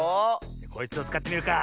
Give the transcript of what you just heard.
こいつをつかってみるか。